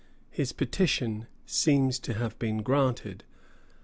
His petition seems to have been granted.